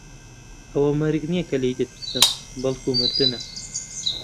ئەوە مەرگ نییە کە لێی دەترسم، بەڵکوو مردنە.